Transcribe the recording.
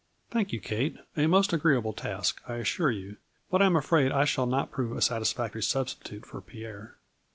" Thank you, Kate. A most agreeable task, I assure you, but I am afraid I shall not prove a satisfactory substitute for Pierre."